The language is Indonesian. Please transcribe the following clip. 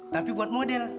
tapi buat model